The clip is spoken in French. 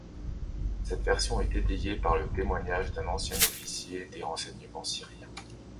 Cette version est étayée par le témoignage d'un ancien officier des renseignements syriens.